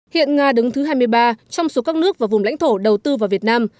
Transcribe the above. hiện nga đứng thứ hai mươi ba trong số các nước và vùng lãnh thổ đầu tư vào việt nam